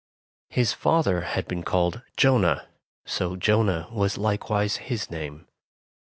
His father had been called Jonah, so Jonah was likewise his name.